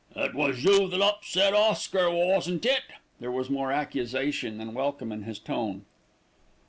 "It was you that upset Oscar, wasn't it?" There was more accusation than welcome in his tone.